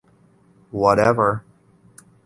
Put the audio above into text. Whatever!